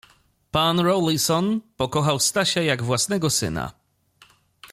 Pan Rawlison pokochał Stasia jak własnego syna.